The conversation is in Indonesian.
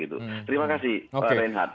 terima kasih pak reinhardt